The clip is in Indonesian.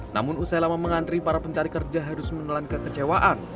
namun usai lama mengantri para pencari kerja harus menelan kekecewaan